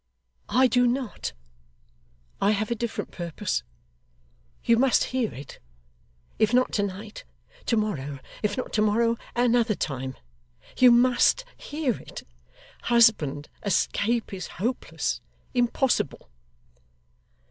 'I do not. I have a different purpose. You must hear it. If not to night, to morrow; if not to morrow, at another time. You MUST hear it. Husband, escape is hopeless impossible.